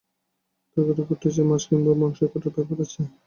তরকারি কুটতে হবে, মাছ কিংবা মাংস কাটার ব্যাপার আছে, চুলা জ্বালাতে হবে।